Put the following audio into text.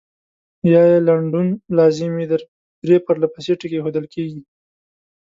یا یې لنډون لازم وي درې پرلپسې ټکي اېښودل کیږي.